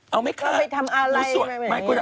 เอาไหมคะ